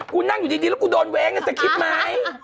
กูนั่งอยู่ดีแล้วกูโดนแว้งในสคริปต์ไหม